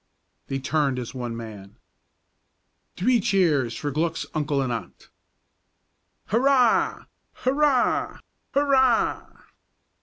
They turned as one man. "Three cheers for Glück's uncle and aunt!" "_Hurrah! Hurrah! Hurrah!